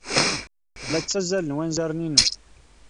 La ttazzalen wanzaren-inu.